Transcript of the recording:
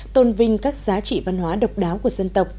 tôn vinh các giá trị văn hóa độc đáo của dân tộc